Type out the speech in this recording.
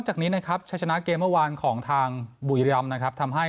จากนี้นะครับใช้ชนะเกมเมื่อวานของทางบุรีรำนะครับทำให้